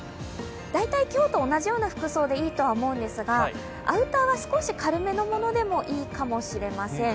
大体今日と同じような服装でいいと思うんですがアウターは少し軽めのものでもいいかもしれません。